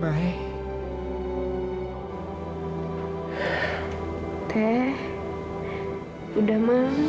mama sudah hopping mau diam